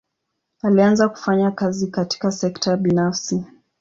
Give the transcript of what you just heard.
Alianza kufanya kazi katika sekta binafsi.